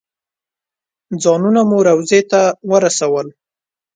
ځانونه مو روضې ته ورسول.